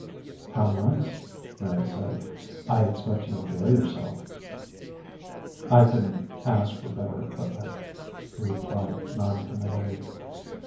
"How nice," Mary said. "I expect you enjoy yourself." "I couldn't ask for better equipment," he replied noncommittally.